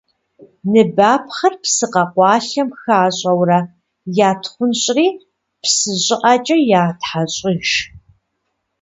Ныбапхъэр псы къэкъуалъэм хащӏэурэ ятхъунщӏри псы щӏыӏэкӏэ ятхьэщӏыж.